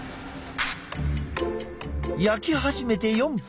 焼き始めて４分。